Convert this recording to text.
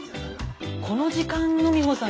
この時間の美穂さん